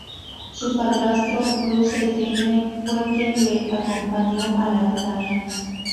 Su padrastro Bruce Jenner fue quien la acompañó al altar.